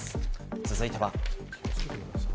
続いては。